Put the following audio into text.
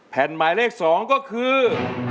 แผ่นหมายเลข๒ก็คือ